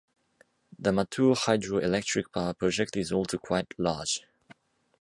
The Mettur hydro electric power project is also quite large.